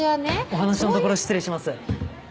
・お話のところ失礼します。